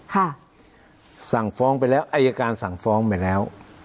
สั่งฟ้องไปแล้วอายการสั่งฟ้องไปแล้ว